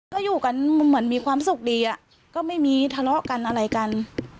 ก็อยู่กันเหมือนมีความสุขดีอะก็ไม่มีทะเลาะกันอะไรกัน